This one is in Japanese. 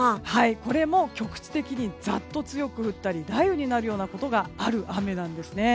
これも局地的にザッと強く降ったり雷雨になるようなことがある雨なんですね。